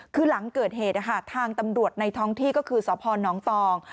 คือหลังเกิดเหตุทางตำรวจในท้องที่ก็คือสพนตอง